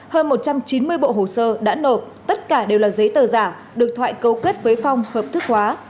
hơn một trăm chín mươi bộ hồ sơ đã nộp tất cả đều là giấy tờ giả được thoại cấu kết với phong hợp thức hóa